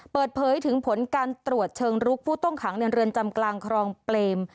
เปิดเผยถึงผลการตรวจเชิงลุกผู้ต้องขังในเรือนจำกลางคลองเปรม